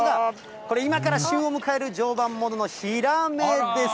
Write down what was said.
これ、今から旬を迎える常磐もののヒラメです。